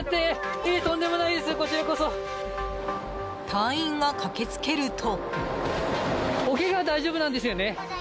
隊員が駆けつけると。